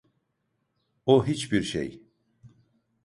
O hiçbir şey.